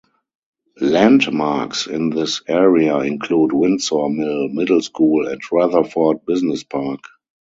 Landmarks in this area include Windsor Mill Middle School and Rutherford Business Park.